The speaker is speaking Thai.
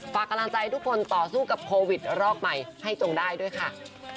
ฝากกำลังใจทุกคนต่อสู้กับโควิดรอกใหม่ให้จงได้ด้วยค่ะ